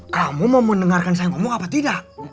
kamu mau mendengarkan saya ngomong apa tidak